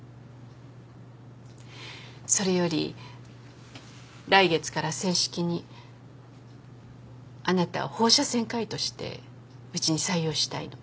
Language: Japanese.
それより来月から正式にあなたを放射線科医としてうちに採用したいの。